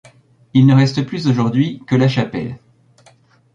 Il ne reste plus aujourd'hui que la chapelle.